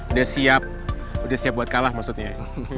udah siap udah siap buat kalah maksudnya